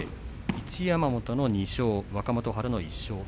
一山本の２勝若元春の１勝です。